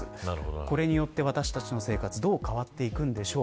これによって私たちの生活がどう変わっていくのか。